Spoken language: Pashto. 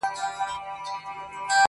ځوانان بحث کوي په کوڅو تل,